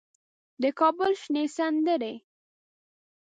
د کابل شنې سندرې